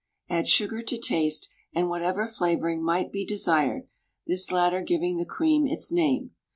Add sugar to taste and whatever flavouring might be desired, this latter giving the cream its name.